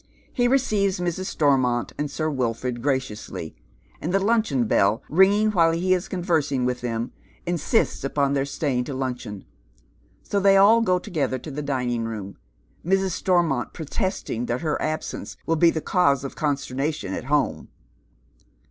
He receives Mrs. Stor riront and Sir Wilford graciously, and, the luncheon bell ringing while he is conversing with them, insists upon their staying to luncheon. So tliey all go together to the dining room, Mrs. Stor mont proteeting that her absence will be the cause of consterna tion at home.